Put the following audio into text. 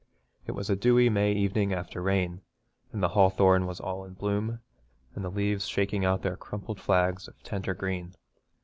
It was a dewy May evening after rain, and the hawthorn was all in bloom, and the leaves shaking out their crumpled flags of tender green.